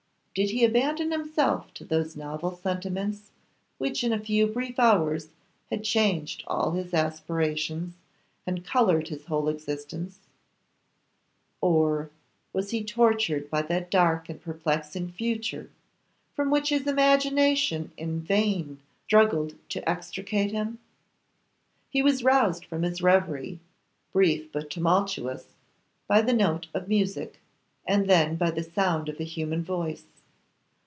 Did he abandon himself to those novel sentiments which in a few brief hours had changed all his aspirations and coloured his whole existence; or was he tortured by that dark and perplexing future, from which his imagination in vain struggled to extricate him? He was roused from his reverie, brief but tumultuous, by the note of music, and then by the sound of a human voice.